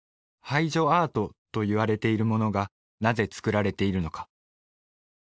「排除アート」といわれているものがなぜ作られているのか？